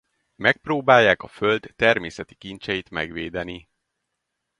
Megpróbálják a föld természeti kincseit megvédeni.